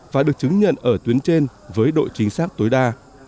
và được chứng nhận ở tuyến trên với độ chính xác tối đa